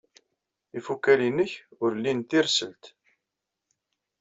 Ifukal-nnek ur lin tirselt.